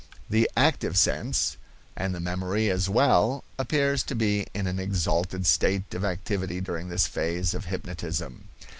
The active sense, and the memory as well, appears to be in an exalted state of activity during this phase of hypnotism.